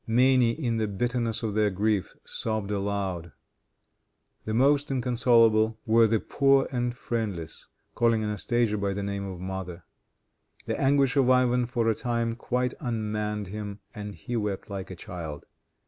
Many, in the bitterness of their grief, sobbed aloud. The most inconsolable were the poor and friendless, calling Anastasia by the name of mother. The anguish of Ivan for a time quite unmanned him, and he wept like a child.